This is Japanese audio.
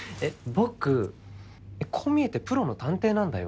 僕こう見えてプロの探偵なんだよ。